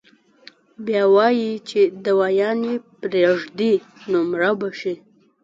بيا وائي چې دوايانې پرېږدي نو مړه به شي -